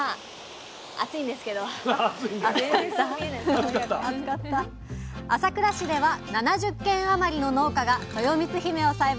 まあ朝倉市では７０軒余りの農家がとよみつひめを栽培しています。